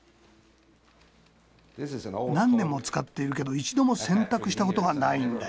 何年も使っているけど一度も洗濯したことがないんだ。